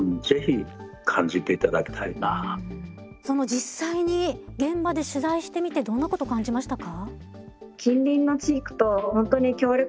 実際に現場で取材してみてどんなことを感じましたか？